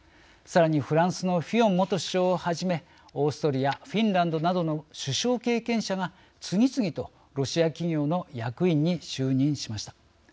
さらにフランスのフィヨン元首相をはじめオーストリアフィンランドなどの首相経験者が次々とロシア企業の役員に就任しました。